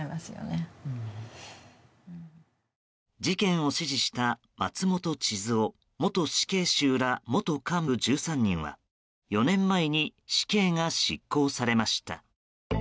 事件を指示した松本智津夫元死刑囚ら元幹部１３人は４年前に死刑が執行されました。